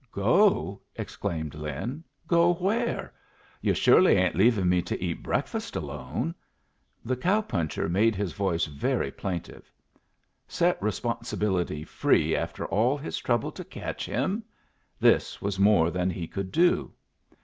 "Go?" exclaimed Lin. "Go where? Yu' surely ain't leavin' me to eat breakfast alone?" The cow puncher made his voice very plaintive. Set Responsibility free after all his trouble to catch him? This was more than he could do!